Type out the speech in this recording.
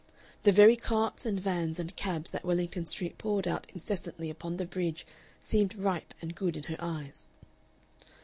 The very carts and vans and cabs that Wellington Street poured out incessantly upon the bridge seemed ripe and good in her eyes.